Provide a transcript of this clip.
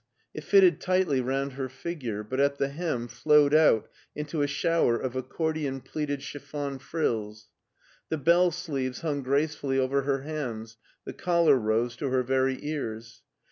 It fitted tightly round her figure, but at the hem flowed out into a shower of accordion pleated chiff(»i frills. The bell sleeves hung gracefully over her hands, the collar rose to her very ears.